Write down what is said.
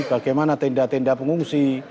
bagaimana tenda tenda pengungsi